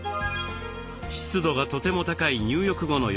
湿度がとても高い入浴後の浴室。